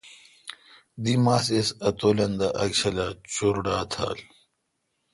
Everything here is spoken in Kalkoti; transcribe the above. دی ماس اِس اتولن دہ اک چھلا چُرڈھا تھال۔